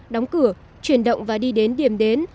đóng cửa chuyển động và đi đến điểm đến